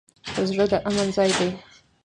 زړه د امن ځای دی.